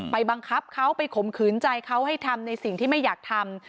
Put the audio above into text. บังคับเขาไปข่มขืนใจเขาให้ทำในสิ่งที่ไม่อยากทำ